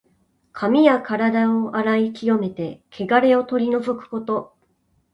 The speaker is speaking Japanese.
髪やからだを洗い清めて、けがれを取り除くこと。